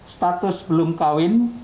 status belum kawin